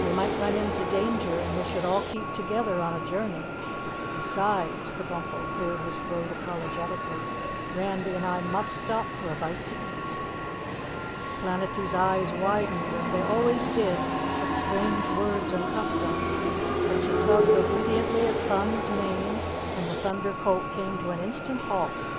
We might run into danger and we should all keep together on a journey. Besides," Kabumpo cleared his throat apologetically, "Randy and I must stop for a bite to eat." Planetty's eyes widened, as they always did at strange words and customs, but she tugged obediently at Thun's mane and the Thunder Colt came to an instant halt.